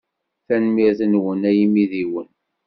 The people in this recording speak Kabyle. Tanemmirt-nwen a imidiwen.